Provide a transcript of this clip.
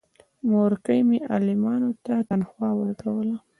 مورکۍ مې عالمانو ته تنخوا ورکوله.